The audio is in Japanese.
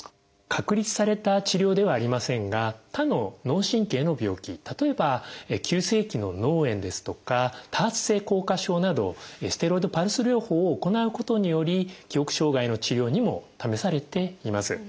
確立された治療ではありませんが他の脳神経の病気例えば急性期の脳炎ですとか多発性硬化症などステロイドパルス療法を行うことにより記憶障害の治療にも試されています。